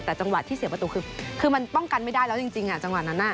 แต่จังหวะที่เสียประตูคือมันป้องกันไม่ได้แล้วจริงจังหวะนั้น